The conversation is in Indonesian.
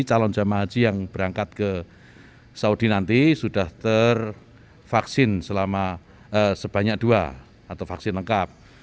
calon jemaah haji yang berangkat ke saudi nanti sudah tervaksin sebanyak dua atau vaksin lengkap